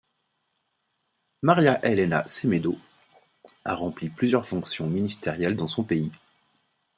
Maria Helena Semedo a rempli plusieurs fonctions ministérielles dans son pays.